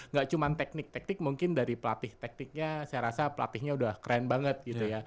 nggak cuma teknik teknik mungkin dari pelatih tekniknya saya rasa pelatihnya udah keren banget gitu ya